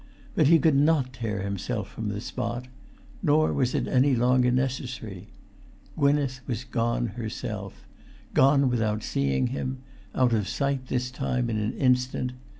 But he could not tear himself from the spot—nor was it any longer necessary. Gwynneth was gone herself; gone without seeing him; out of sight this time in an instant.